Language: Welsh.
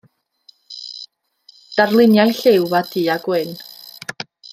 Darluniau lliw a du-a-gwyn.